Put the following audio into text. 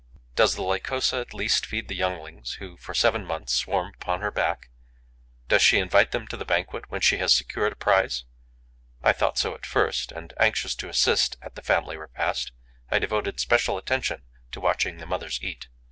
Does the Lycosa at least feed the younglings who, for seven months, swarm upon her back? Does she invite them to the banquet when she has secured a prize? I thought so at first; and, anxious to assist at the family repast, I devoted special attention to watching the mothers eat.